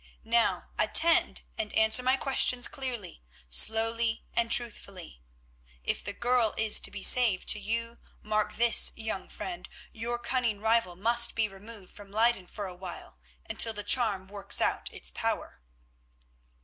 Now, attend and answer my questions clearly, slowly and truthfully. If the girl is to be saved to you, mark this, young friend, your cunning rival must be removed from Leyden for a while until the charm works out its power."